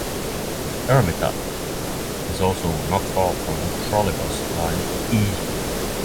Ermita is also not far from trolleybus Line "E".